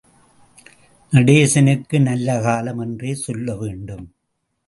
நடேசனுக்கு நல்ல காலம் என்றே சொல்ல வேண்டும்.